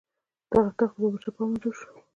دغه طاق چې د بابر شاه په امر جوړ شو.